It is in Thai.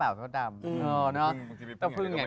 พี่ยังไม่ได้เลิกแต่พี่ยังไม่ได้เลิก